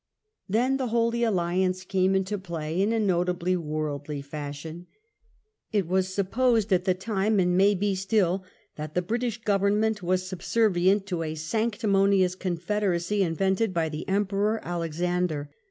Then the Holy Alliance came into play in a notably worldly fashion. It was supposed at the time, and may be still, that the British Government was subservient to a sanctimonious confederacy invented by the Emperor Alexander.